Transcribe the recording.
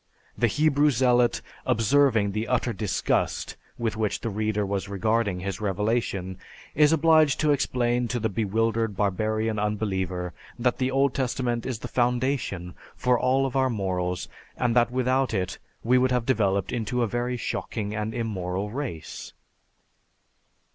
The Hebrew Zealot, observing the utter disgust with which the reader was regarding his revelation, is obliged to explain to the bewildered barbarian unbeliever that the Old Testament is the foundation for all of our morals and that without it we would have developed into a very shocking and immoral race.